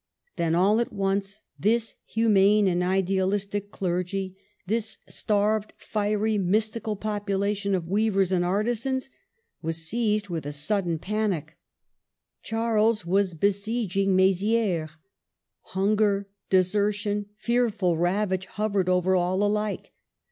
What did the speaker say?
Then all at once this humane and idealistic clergy — this starved, fiery, mystical population of weavers and artisans — was seized with a sud den panic : Charles was besieging Mezieres. Hunger, desertion, fearful ravage, hovered over all alike.